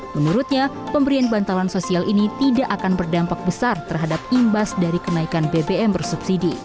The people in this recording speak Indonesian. menurutnya pemberian bantalan sosial ini tidak akan berdampak besar terhadap imbas dari kenaikan bbm bersubsidi